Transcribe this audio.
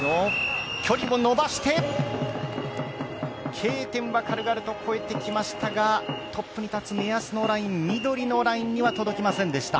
Ｋ点は軽々と越えてきましたがトップに立つ目安のライン、緑のラインには届きませんでした。